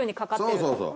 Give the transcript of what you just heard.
そうそうそう。